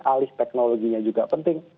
alih teknologinya juga penting